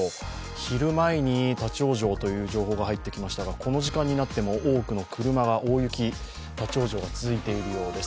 昼前に立往生という情報が入ってきましたが、この時間になって多くの車が大雪、立往生が続いているようです。